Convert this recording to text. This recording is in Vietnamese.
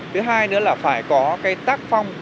thứ hai nữa là phải có cái tác phong